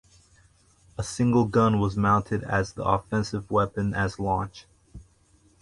A single gun was mounted as the offensive weapon as launch.